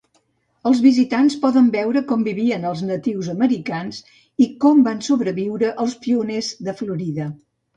Els visitants poden veure com vivien els natius americans i com van sobreviure els pioners de Florida.